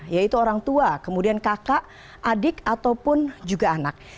yaitu orang tua kemudian kakak adik ataupun juga anak